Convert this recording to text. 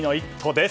です。